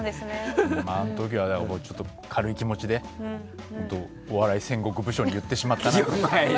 あの時は軽い気持ちでお笑い戦国武将に言ってしまったなって。